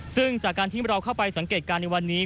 ซึ่งจากการที่เราเข้าไปสังเกตการณ์ในวันนี้